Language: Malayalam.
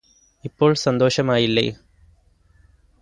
ഇപ്പോൾ സന്തോഷമായില്ലേ